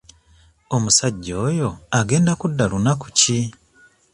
Omusajja oyo agenda kudda lunaku ki?